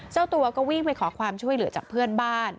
เจ้าตัวก็วิ่งไปขอความช่วยเหลือจากเพื่อนบ้าน